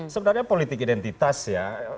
sebenarnya politik identitas ya